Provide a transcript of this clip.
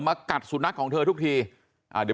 เอาไหม้ลงไปถึงเนี่ย